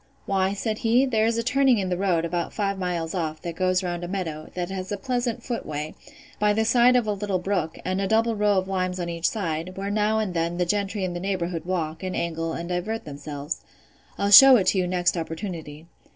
Why, said he, there is a turning in the road, about five miles off, that goes round a meadow, that has a pleasant foot way, by the side of a little brook, and a double row of limes on each side, where now and then the gentry in the neighbourhood walk, and angle, and divert themselves.—I'll shew it you next opportunity.